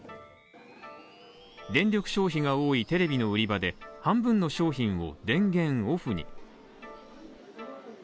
電力消費が多いテレビの売り場で半分の商品を電源オフに。